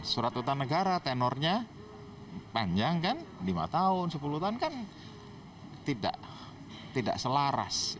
surat utang negara tenornya panjang kan lima tahun sepuluh tahun kan tidak selaras